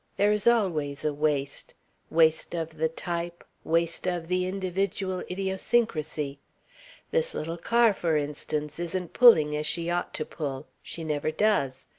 There is always a waste. Waste of the type; waste of the individual idiosyncrasy. This little car, for instance, isn't pulling as she ought to pull she never does.